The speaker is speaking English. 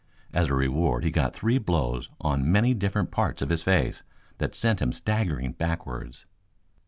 As a reward he got three blows, on as many different parts of his face, that sent him staggering backwards.